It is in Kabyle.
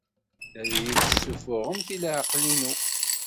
La iyi-tessuffuɣemt i leɛqel-inu.